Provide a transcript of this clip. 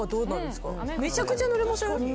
めちゃくちゃぬれません？